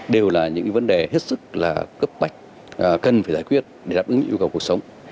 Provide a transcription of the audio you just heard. đều là những vấn đề hết sức là cấp bách cần phải giải quyết để đáp ứng yêu cầu cuộc sống